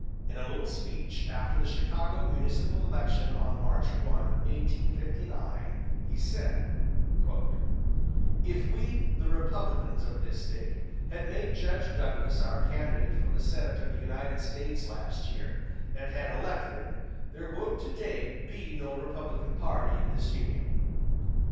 In a little speech after the Chicago municipal election on March 1, 1859, he said: "If we, the Republicans of this State, had made Judge Douglas our candidate for the Senate of the United States last year, and had elected him, there would to day be no Republican party in this Union....